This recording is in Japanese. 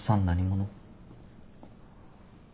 何者？